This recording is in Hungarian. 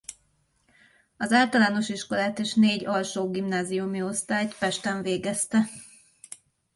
Az általános iskolát és négy alsó gimnáziumi osztályt Pesten végezte.